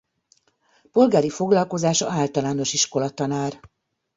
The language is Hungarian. Polgári foglalkozása általános iskola-tanár.